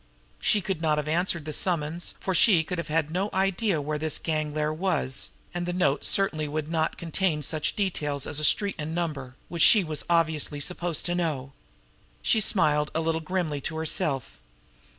She could not have answered the summons, for she could have had no idea where this gang lair was; and the note certainly would not contain such details as street and number, which she was obviously supposed to know. She smiled a little grimly to herself.